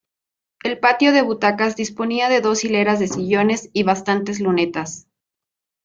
El patio de butacas disponía de dos hileras de sillones y bastantes lunetas.